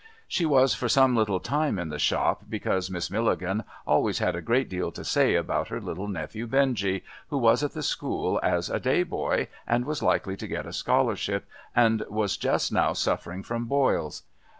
She was for some little time in the shop, because Miss Milligan always had a great deal to say about her little nephew Benjie, who was at the School as a day boy and was likely to get a scholarship, and was just now suffering from boils.